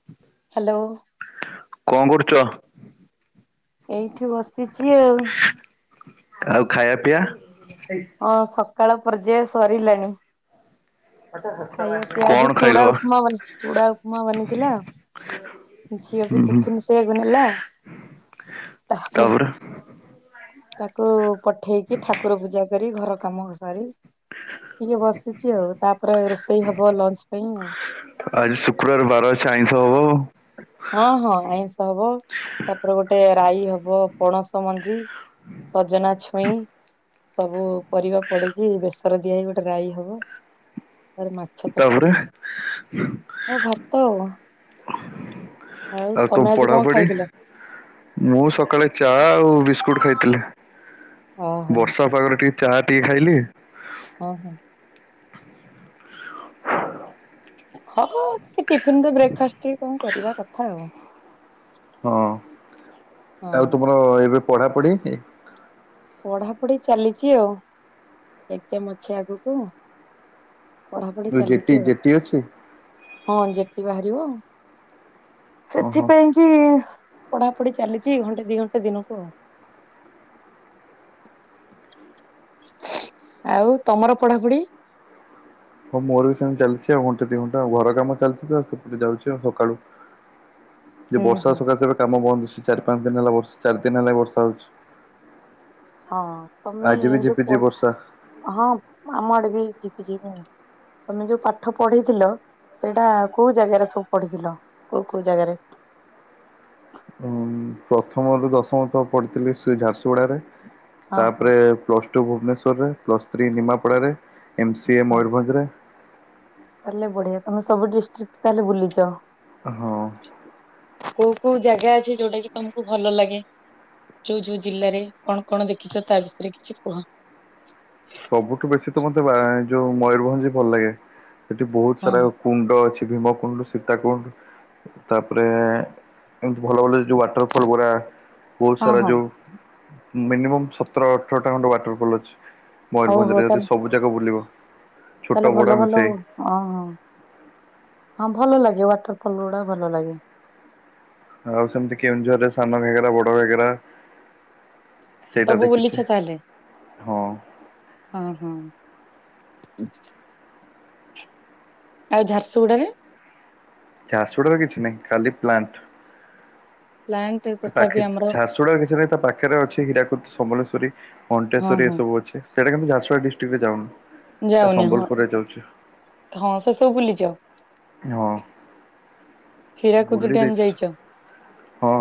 ହ ହ୍ୟାଲୋ କଣ କରୁଚ ଏଇଠି ବସିଛି ଆଉ ଆଉ ଖାଇବା ପିଆ ହଁ ସକାଳ ପର୍ଯ୍ୟାୟ ସରିଲାଣି ପିଇବା ଖାଇବା ପିଆ ଆଜି କଣ ଖାଇଲ ଚୁଡ଼ା ବା ଉପମା ଚୁଡ଼ା ଉପମା ବନିଥିଲା ଆଉ। ଆ ଝିଅ ବି ଟିଫିନ୍‌ ବନେଇଲା। ତାପରେ ତାକୁ ପଠେଇକି, ଠାକୁର ପୂଜା କରି, ଘର କାମ ସାରି। ଟିକେ ବସିଚି ଆଉ, ତା'ପରେ ରୋଷେଇ ହବ ଲଞ୍ଚ୍ ପାଇଁ ଆଉ। ଆଜି ଶୁକ୍ରବାର୍ ବାର ଅଛି, ଆଇଁଷ ହବ ଆଉ। ହଁ ହଁ ଆଇଁଷ ହବ, ତା'ପରେ ଗୋଟେ ରାଇ ହବ ପଣସ ମଞ୍ଜି। ସଜନା ଛୁଇଁ। ସବୁ ପରିବା ପଡ଼ିକି ବେସର ଦିଆ ହେଇ ଗୋଟେ ରାଇ ହବ। ମାଛ ତାପରେ ତର୍କାରୀ ଭାତ ଆଉ। ଆଉ ତ ତମେ ଆଜି କଣ ପଢ଼ାପଢ଼ି, ଖାଇଥିଲ? ମୁଁ ସକାଳେ ଚା ଆଉ ବିସ୍କୁଟ ଖାଇଥିଲି। ଓହୋ ବର୍ଷା ପାାଗରେ, ଟିକେ ଚାହା ଖାଇଲି। [inaudible] ଟିକେ ଟିଫିନ୍ ବ୍ରେକ୍ ଫାଷ୍ଟ୍ ଟି କରିବା କଥା ଆଉ। ହଁ! ଆଉ ହଁ ତୁମର ଏବେ ପଢ଼ାପଢ଼ି ପଢ଼ାପଢ଼ି ଚାଲିଚି ଆଉ, ଏକ୍ଜାମ୍ ଅଛି ଆଗୁକୁ। ଆଉ [inaudible] ହଁ! ଯେ ବାହାରିବ, ଓହୋ ସେଥିପାଇଁ ପଢ଼ାପଢ଼ି ଚାଲିଚି, ଘଣ୍ଟେ ଦି ଘଣ୍ଟା ଦିନକୁ ଆଉ। ଆଉ ତମର ପଢ଼ା--ଢ଼ି ହଁ! ମୋର ବି ଚାଲ୍ଚି ଆଉ ଘଣ୍ଟେ ଦିଘଣ୍ଟା, ଘର କାମ ଚାଲ୍ଚି ତ ସେପଟେ ଯାଉଚି ସକାଳୁ। ହୁଁ ବର୍ଷା ହୁଁ ସକାଶେ ଏବେ କାମ ବନ୍ଦ୍ ଚାରି ପାଞ୍ଚ୍ ଦିନ୍‌ ଚାର୍ ଦିନ୍‌ ହେଲା ବର୍ଷା ହଉଚି। ଝିପିଝିପି ବର୍ଷା [inaudible] ତମେ ଯଉ ପାଠ ପଢ଼ିଥିଲ ସେଟା କଉ ଜାଗାରେ ସବୁ ପଢ଼ିଥିଲ, କଉ କଉ ଜାଗାରେ? [inaudible] ପ୍ରଥମରୁ ଦଶମ ତ ପଢ଼ିଥିଲି ସେ ଝା---ଗୁଡ଼ାରେ, ହଁ ହଁ ତା'ପ୍ରେ ପ୍ଲ ଭୁବ୍ନେଶ୍ୱର୍ ରେ, ପ୍ଲସ୍‌ଥ୍ରୀ ନିମାପଡ଼ାରେ, ଏମ୍ ସିଏ ହଁ ମୟୂର୍ଭଞ୍ଜ୍ ରେ। ତା'ହେଲେ ବଢ଼ିଆ ତମେ ସବୁ ଡିଷ୍ଟ୍ରିକ୍ ତା'ହେଲେ ବୁଲିଚ। ହଁ! କଉ କଉ ଜାଗା ଅଛି, ଯଉଟା କି ତମକୁ ଭଲ ଲାଗେ? ଯଉ ଯଉ ଜିଲ୍ଲାରେ, କ'ଣ କ'ଣ ଦେଖିଚ ତା ବିଷୟରେ କିଛି କୁହ? ସବୁଠୁ ବେଶୀ ତ ମତେ ଯଉ ମୟୂର୍ଭଞ୍ଜ୍ ଭଲ୍‌ ଲାଗେ, ସେଠି ବହୁତ୍ ହଁ। ସାରା କୁଣ୍ଡ ଅଛି, ଭୀମ କୁଣ୍ଡ୍ ସୀତା କୁଣ୍ଡ୍। ତା'ପରେ ଭଲ ଭଲ ଯଉ ୱାଟର ଫଲ୍ ଗୁରା ବହୁତ୍ ହଁ ସାରା ହଁ ଯଉ, ମିନିମମ୍ ସତର ଅଠରଟା ଖଣ୍ଡେ ୱାଟର୍ ଫଲ୍ ଅଛି। ମୟୂର୍ଭଞ୍ଜ୍ ରେ ଯଦି ସବୁ ଜାକ ବୁଲିବ। ଛୋଟ ତା----ଲେ ବଡ଼ ଭଲ ଭଲ ମିଶେଇ ହଁ! ଭଲ ଲାଗେ ୱାଟର୍ ଫଲ୍ ଗୁଡ଼ା ଭଲ ଲାଗେ। ଆଉ ସେମ୍ତି କେଉଁଝରରେ ସାନ ଗେରା ବଡ଼ ଗେରା। ସେଇଟା ସବୁ ବୁଲିଛ ଦେଖିଚି ତାହେଲେ? ହଁ। [inaudible] ଆଉ ଝା---ସୁଗୁଡ଼ାରେ ଗୁଡ଼ାରେ କିଛି ନାଇଁ ଖାଲି ପ୍ଲାଣ୍ଟ୍। [inaudible] ଆମର ଝା--ସୁଗୁଡ଼ା ରେ କିଛି ନାହିଁ, ତା ପାଖରେ ଅଛି ହୀରାକୁଦ୍ ସମଲେଶ୍ଵରୀ ଣ୍ଟେଶ୍ୱରୀ ଏସବୁ ଅଛି। ସେଟା କିନ୍ତୁ ଝାର୍ସଗୁଡ଼ା ଡିଷ୍ଟ୍ରିକ୍ ରେ ଯାଉନି, ଯାଉନି ହଁ ସମ୍ବଲପୁର୍ ରେ ଯାଉଚି। ହଁ! ସେ ସବୁ ବୁଲି ହଁ! ହୀରାକୁଦୁ ବୁଲି ଡ଼୍ୟାମ୍‌ ଦେଇଛି ଯାଇଚ? ହଁ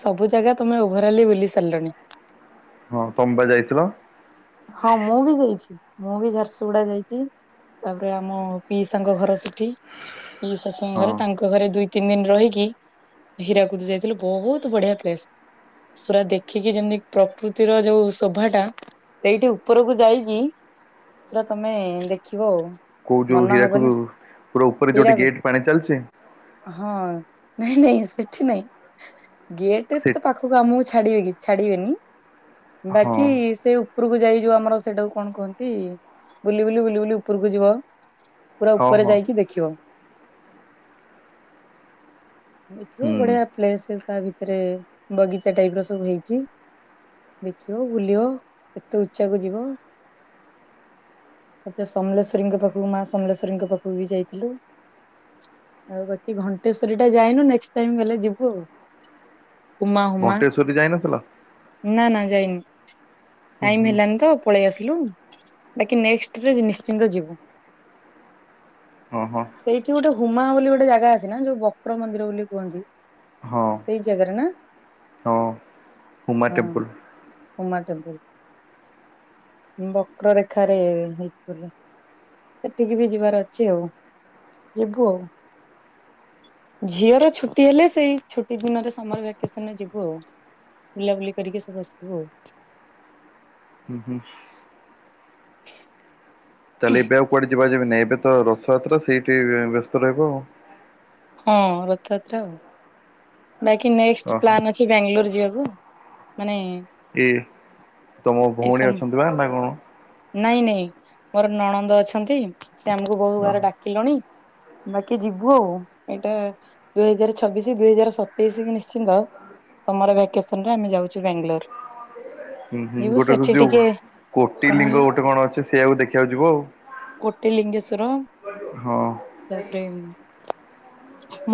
ସବୁ ଜାଗା ତମେ ଓଭରାଲି ବୁଲି ସାର୍ଲଣି। ହଁ ତମେ ପରା ଯାଇଥିଲ। ହଁ ମୁଁ ବି ଯାଇଛି। ମୁଁ ବି ଝାରସୁଗୁଡା ଯାଇଛି। ତାପରେ ଆମ ପିଇସାଙ୍କ ଘର ସେଠି ପିଇ ଶାଶୁଙ୍କ ହଁ ଘରେ ତାଙ୍କ ଘରେ ଦୁଇ ତିନି ଦିନ ରହିକି ହୀରାକୁଦ ଯାଇଥିଲୁ। ବହୁତ ବଢିଆ ପ୍ଲେସ୍। ପୁରା ଦେଖିକି ଯେମିତି ପ୍ରକୃତିର ଯୋଉ ଶୋଭା ଟା ଏଇଠି ଉପରକୁ ଯାଇକି ପୁରା ତମେ ଦେଖିବ ଆଉ। କୋଉ ଯୋଉ ମନ ହବନି ହୀରାକୁଦ, ପୁରା ଉପରେ ଯୋଉଠି ହୀରାକୁଦ ଗେଟ ପାଣି ଚାଲିଛି। ହଁ। ନାଇଁ ନାଇଁ ସେଠି ନାଇଁ ଗେଟ ରେ ସେ ତ ପାଖକୁ ଆମକୁ ଛାଡିବେ କି? ଛାଡିବେନି ହଁ ବାକି ସେ ଉ ଉପରକୁ ଯାଇ ଯଉ ଆମର ସେଇଟାକୁ କଣ କୁହନ୍ତି, ବୁଲି ବୁଲି ବୁଲି ବୁଲି ଉପରକୁ ଯିବ। ପୁରା ହଁ ଉପରେ ହଁ ଯାଇକି ଦେଖିବ। ଦେଖିବ ହୁଁ ବଢିଆ ପ୍ଲେସ ତା ଭିତରେ ବଗିଚା ଟାଇପ ର ସବୁ ହେଇଛି। ଦେଖିବ, ବୁଲିବ କେତେ ଉଚ୍ଚାକୁ ଯିବ। ମତେ ସମଲେଶ୍ୱରୀଙ୍କ ପାଖକୁ ମା ସମଲେଶ୍ୱରୀଙ୍କ ପାଖକୁ ବି ଯାଇଥିଲୁ। ଆଉ ବାକି ଘଣ୍ଟେଶ୍ୱରୀ ଟା ଯାଇନୁ ନେକ୍ସଟ ଟାଇମ ଗଲେ ଯିବୁ ଆଉ। ଉମା ହୁମା। ଘଣ୍ଟେଶ୍ୱରୀ ଯାଇନଥିଲ ନା ନା ଯାଇନି। ହୁଁ ଟାଇମ ହୁଁ ହେଲାନି ତ। ପଳେଇ ଆସିଲୁ। ବାକି ନେକ୍ସଟ ନିଶ୍ଚିନ୍ତ ଯିବୁ। ହଁ ହଁ। ସେଇଠି ଗୋଟେ ହୁମା ବୋଲି ଗୋଟେ ଜାଗା ଅଛି ନା ଯୋଉ ବକ୍ର ମନ୍ଦିର ବୋଲି କୁହନ୍ତି। ହଁ ସେଇ ଜାଗାରେ ନା। ହଁ ହୁମା ହଁ ଟେମ୍ପଲ ହୁମା ଟେମ୍ପୁଲ। ବକ୍ରରେଖାରେ ହେଇଥିଲେ। ସେଠିକି ବି ଯିବାର ଅଛି ଆଉ, ଯିବୁ ଆଉ। ଝିଅର ଛୁଟି ହେଲେ ସେଇ ଛୁଟି ଦିନରେ ସମର ଭେକେସନରେ ଯିବୁ ଆଉ। ବୁଲାବୁଲି କରିକି ସବୁ ଆସିବୁ ଆଉ। ହୁଁ ହୁଁ। ତାହେଲେ ଏବେ ଆଉ କୁଆଡେ ଯିବା ଯିବି ନାଇ, ଏବେ ତ ରଥଯାତ୍ରା ସେଇଠି ବ୍ୟ ବ୍ୟସ୍ତ ରହିବ ଆଉ। ହଁ ରଥଯାତ୍ରା ଆଉ। ବାକି ନେକ୍ସଟ ଓହୋ ପ୍ଲାନ୍ ଅଛି ବାଙ୍ଗଲୋର ଯିବାକୁ। ମାନେ ଏଇ, ତମ ଏ ଭଉଣୀ ସମ ଅଛନ୍ତି ବା ନା କଣ? ନାଇଁ ନାଇଁ ମୋର ନଣନ୍ଦ ଅଛନ୍ତି। ସେ ଆମକୁ ବହୁ ଓହୋ ବାର ଡାକିଲଣି। ବାକି ଯିବୁ ଆଉ। ଏଇଟା ଦୁଇ ହଜାର ଛବିଶି ଦୁଇ ହଜାର ସତେଇଶି କି ନିଶ୍ଚିନ୍ତ ସମର ଭେକେସନ ରେ ଆମେ ଯାଉଛୁ ବାଙ୍ଗଲୋର। ହୁଁ ହୁଁ। ଗୋଟେ ଯୋଉ କୋଟି କଣ ଲିଙ୍ଗ ହେଲା ଗୋଟେ କଣ ଅଛି? ସେଇୟାକୁ ଦେଖିବାକୁ ଯିବ ଆଉ। କୋଟି ଲିଙ୍ଗେଶ୍ଵର। ହଁ। ତାପରେ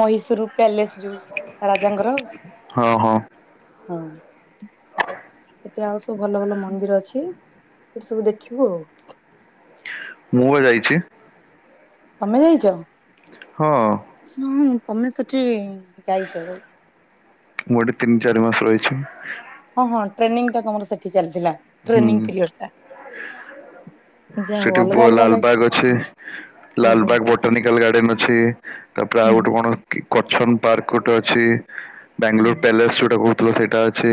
ମହିଶୂର ପ୍ୟାଲେସ ଯୋଉ। ରାଜାଙ୍କର। ହଁ ହଁ। ହଁ। ସେଠି ଆଉ ସବୁ ଭଲ ଭଲ ମନ୍ଦିର ଅଛି। ସେଠି ସବୁ ଦେଖିବୁ ଆଉ। ମୁଁ ବା ଯାଇଛି। ତମେ ଯାଇଛ। ହଁ। ହୁଁ। ତମେ ସେଠି ଯାଇଛ ଯାଇଛ। ମୁଁ ଏଠି ତିନି ଚାରି ମାସ ରହିଛି। ହଁ ହଁ ଟ୍ରେନିଂ ଟା ତମର ସେଠି ଚାଲିଥିଲା ହୁଁ ଟ୍ରେନିଂ ପିରିଅଡ ଟା। ଯାହା ହଉ ସେଠି ଅଲଗା ଅଲଗା ପୁଅଲାଲବାଗ ଅଛି। ଜାଗା ଓହୋ ଲାଲବାଗ ବୋଟାନିକାଲ ଗାର୍ଡେନ ଅଛି। ତାପରେ ଆଉ ହୁଁ ଗୋଟେ ହୁଁ କଣ? କି କରଛନ ପାର୍କ ଗୋଟେ ଅଛି ବାଙ୍ଗାଲୋର ହୁଁ ପ୍ୟାଲେସ ଯୋଉଟା କହୁଥିଲ ସେଇଟା ଅଛି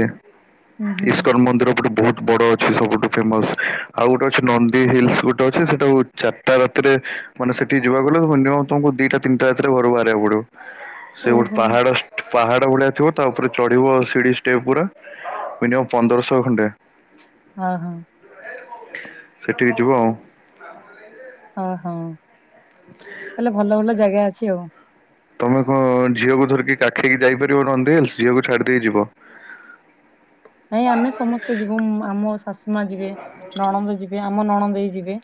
ହୁଁ ହୁଁ ଇସ୍କନ ମନ୍ଦିର ଗୋଟେ ବହୁତ ବଡ ଅଛି ସବୁଠୁ ଫେମସ ଆଉ ଗୋଟେ ଅଛି ନନ୍ଦୀ ହିଲ୍ସ ଗୋଟେ ଅଛି ସେଟାକୁ ଚାରିଟା ରାତିରେ ମାନେ ସେଠି ଯିବାକୁହେଲେ ମିନିମମ୍ ତମକୁ ଦିଟା ତିନିଟା ରାତିରେ ଘରୁ ବାହାରିବାକୁ ପଡିବ ସେ ଗୋଟେ ଓହୋ ପାହାଡ ପାହାଡ ଭଳିଆ ଥିବ ତା ଉପରେ ଚଢିବ ସିଡି ଷ୍ଟେପ ପୁରା ମିନିମମ୍ ପନ୍ଦରସହ ଖଣ୍ଡେ ହଁ ହଁ ସେଠିକି ଯିବ ଆଉ ହ ହଁ ତାହାଲେ ଭଲ ଭଲ ଜାଗା ଅଛି ଆଉ ତମେ କଣ ଝିଅକୁ ଧରିକି କାଖେଇକି ଯାଇପାରିବ ନନ୍ଦୀ ହିଲ୍ସ ଝିଅକୁ ଛାଡିଦେଇ ଯିବ ନାଇଁ ଆମେ ସମସ୍ତେ ଯିବୁ ଆମ ଶାଶୁ ମା ଯିବେ ନଣନ୍ଦ ଯିବେ ଆମ ନଣନ୍ଦେଇ ଯିବେ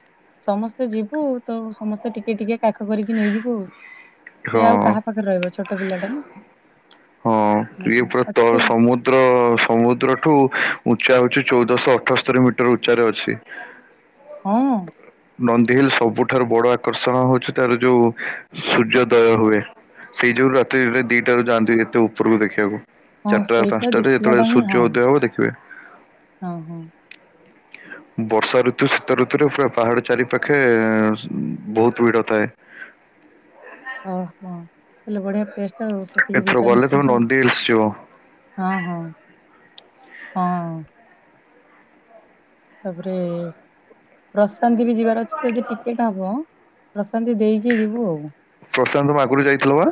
ସମସ୍ତେ ଯିବୁ ତ ସମସ୍ତେ ତ ଟିକେ ଟିକେ କାଖ କରିକି ନେଇଯିବୁ ଆ ସେ ହଁ ଆଉ କାହା ପାଖରେ ରହିବ ଛୋଟ ପିଲା ଟା ନା ହଁ ଇଏ ପୁରା ତ ଅଛି ସମୁଦ୍ର ସମୁଦ୍ର ସମୁଦ୍ରଠୁ ଉଚ୍ଚା ଅଛି ଚଉଦଶହ ଅଠସ୍ତରୀ ମିଟର ଉଚ୍ଚାରେ ଅଛି ହଁ ନନ୍ଦି ହିଲ୍ ସବୁଠାରୁ ବଡ ଆକର୍ଷଣ ହଉଛି ତାର ଯୋଉ ସୂର୍ଯ୍ୟୋଦୟ ହୁଏ ସେଇ ଯୋଉ ରାତିରେ ଦିଟାରୁ ଯାଆନ୍ତି ଏତେ ଉପରକୁ ଦେଖିବାକୁ ହଁ ଚାରିଟା ସେଇଟା ପାଞ୍ଚଟାରେ ଦେଖିବାଟା ଯେତେବେଳେ ହିଁ ହଁ ସୂର୍ଯ୍ୟ ଉଦୟ ହବ ଦେଖିବେ ହଁ ହଁ ବର୍ଷା ଋତୁ ଶୀତ ଋତୁରେ ପୁରା ପାହାଡ ଚାରିପାଖେ ବହୁତ ଭିଡ ଥାଏ ଓହୋ ତାଲେ ବଢିଆ ପେଷ୍ଟ ଏଥର ଗଲେ ତମେ ନନ୍ଦୀ ହିଲ୍ସ ଯିବ। ହଁ ହଁ ହଁ। ତାପରେ ପ୍ରଶାନ୍ତି ବି ଯିବାର ଅଛି ତ ଯଦି ଟିକେଟ ହବ ପ୍ରଶାନ୍ତି ଦେଇକି। ଟିକେ ଯିବୁ ଆଉ। ପ୍ରଶାନ୍ତ ତମେ ଆଗରୁ ଯାଇଥିଲ ବା?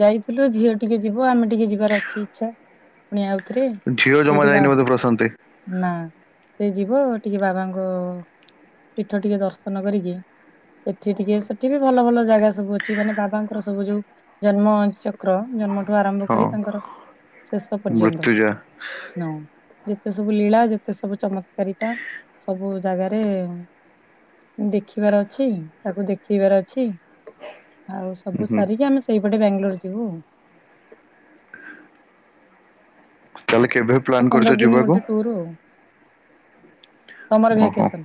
ଯାଇଥିଲୁ ଝିଅ ଟିକେ ଯିବୁ ଆମେ ଟିକେ ଯିବାର ଅଛି ଇଚ୍ଛା। ପୁଣି ଆଉଥରେ ଝିଅ ଜମା ସେଇଠି ବା ଯାଇନି ବୋଧେ ପ୍ରଶାନ୍ତି? ନା। ସେ ଯିବ ଟିକେ ବାବାଙ୍କ ପୀଠ ଟିକେ ଦର୍ଶନ କରିକି। ସେଠି ଟିକେ ସେଠି ବି ଭଲ ଭଲ ଜାଗା ସବୁ ଅଛି ମାନେ ବାବାଙ୍କର ସବୁ ଯୋଉ। ଜନ୍ମଚକ୍ର ଜନ୍ମଠୁ ଆରମ୍ଭ ହଁ କରି ତାଙ୍କର ଶେଷ ପର୍ଯ୍ୟନ୍ତ। ମୃତ୍ୟୁଜା ନ ଯେତେ ସବୁ ଲୀଳା ଯେତେ ସବୁ ଚମକ। ସକାରିତା ସବୁ ଜାଗାରେ। ଦେଖିବାର ଅଛି ତାକୁ ଦେଖେଇବାର ଅଛି। ଆଉ ହୁଁ ସବୁ ହୁଁ। ସାରିକି ଆମେ ସେଇପଟେ ବାଙ୍ଗାଲୋର ଯିବୁ ଆଉ। ତାଲ କେ। ପନ୍ଦର ଦିନ ଗୋଟେ ଟ ଆ ସମର ଓହୋ ଭକସ।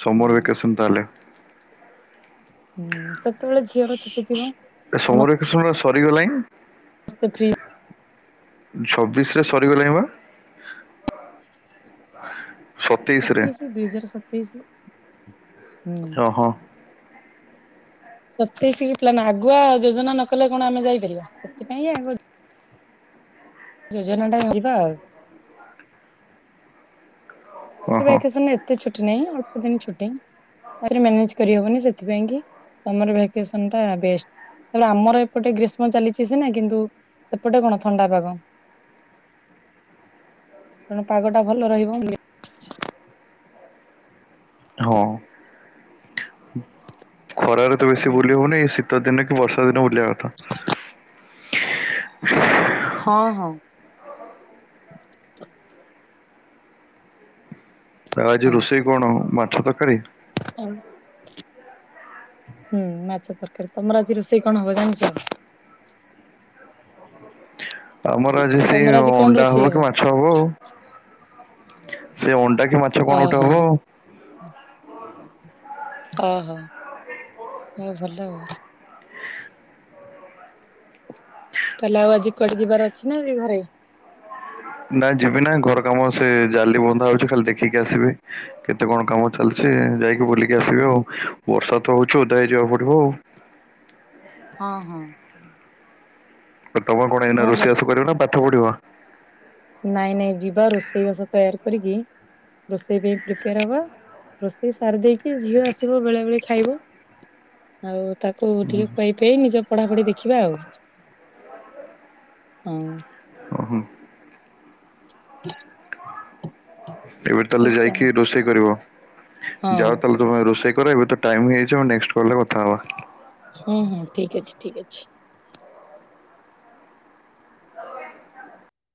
ସମର ହଁ ଭେକସନ୍ ତାହଲେ ହୁଁ ସେତେବେଳେ ଝିଅର ଛୁଟି ଥିବ। ଏ ସମରେ ଭ୍ୟାକେସନ ବା ସରିଗଲାଣିଁ। ସୁକ୍ରଆ ଫ୍ରି। ଛବିଶ ରେ ସରିଗଲାଣି ବା। ସତେଇଶ ରେ ସତେଇଶି ଦୁଇ ହଜାର ସତେଇଶି। ହୁଁ ଓହୋ। ସତେଇଶିକି ପ୍ଲାନ ଆଗୁଆ ଯୋଜନା ନ କଲେ କଣ ଆମେ ଯାଇପାରିବା ସେଥିପାଇଁଗ। ଯୋଜନା ଟା ଯିବା ଆଉ। ଓହୋ କେସନ ଏତେ ଛୁଟି ନାହିଁ ଅଳ୍ପ ଦିନ ଛୁଟି। ତାରେ ମ୍ୟାନେଜ କରିହବନି ସେଥିପାଇଁ କି ସମର ଭ୍ୟାକସନ ଟା ବଷ୍ଟ। ୁ ଆମର ଏପଟେ ଗ୍ରୀଷ୍ମ ଚାଲିଛି ସନା କିନ୍ତୁ ସେପଟେ କଣ ଥଣ୍ଡା ପାଗ। ତଣ ପାଗଟା ଭଲ ରହିବ। ହଁ। ଖରାରେ ତ ବେଶୀ ବୁଲି ହଉନି ଶୀତ ଦିନ କି ବର୍ଷା ଦିନେ ବୁଲିବା କଥା। ହଁ -ହଁ। ଆଉ ଆଜି ରୋଷେଇ କଣ? ମାଛ ତରକାରୀ। ହୁଁ ମାଛ ତରକାରୀ ତମର ଆଜି ରୋଷେଇ କଣ ହବ ଜାଣିଚ? ଆମର ଆଜି ସେଇ ତମର ଆଜି କଣ ଅଣ୍ଡା ରୋଷେଇ ହବ କି ମାଛ ହବ ଆଉ -ସେ ଅଣ୍ଡା କି କି ମାଛ କଣ ଗୋଟେ ଓହୋ ହବ ଆଉ। ଓହୋ ହଉ ଭଲ ଆଉ। ତାହେଲେ ଆଉ ଆଜି କୁଆଡେ ଯିବାର ଅଛି ନା ଏଇ ଘରେ? ନାଇଁ ଯିବି ନା ଘର କାମ ସେ ଜାଲି ବନ୍ଧା ହଉଚି ଖାଲି ଦେଖିକି ଆସିବି। କେତେ କଣ କାମ ଚାଲିଚି ଯାଇକି ବୁଲିକି ଆସିବେ ଆଉ ବର୍ଷା ତ ହଉଚି ଓଦା ହେଇ ଯିବାକୁ ପଡିବ ଆଉ। ହଁ- ହଁ। ତମ କଣ ଏଇନା ହଁ ବର୍ଷା ରୋଷେଇବାସ କରିବ ନା ପାଠ ପଢିବ? ନାଇଁ ନାଇଁ ଯିବା ରୋଷେଇବାସ ତେୟାର କରିକି ରୋଷେଇ ପାଇଁ ପ୍ରିପେୟାର୍ ହବା ରୋଷେଇ ସାରି ଦେଇକି ଝିଅ ଆସିବ ବେଳାବେଳି ଖାଇବ। ଆଉ ତାକୁ ଟିକେ ଖୁଆଇପେଇ ନିଜ ପଢାପଢି ଦେଖିବା ଆଉ। ଆଁ -ଉ। ଓହୋମ୍। [unintelligible] ଏବେ ଆଉ ତାହେଲେ କଣ ଯାଇକି ରୋଷେଇ କରିବ? ହଁ ଯାଅ ତମେ ତମର ରୋଷେଇ କର ଏବେତ ଟାଇମ୍ ହେଇଯାଇଚି ଆଉ ନେକ୍ସଟ୍ କଲ୍ ରେ କଥା ହବା। ହୁଁ -ହୁଁ ଠିକ୍ ଅଛି- ଠିକ୍ ଅଛି।